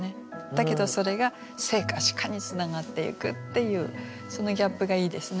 だけどそれが「生か死か」につながっていくっていうそのギャップがいいですね。